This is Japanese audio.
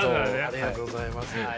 ありがとうございます。